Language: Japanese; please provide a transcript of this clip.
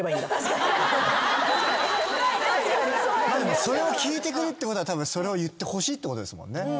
でもそれを聞いてくるってことはそれを言ってほしいってことですもんね。